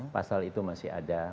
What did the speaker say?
pasal itu masih ada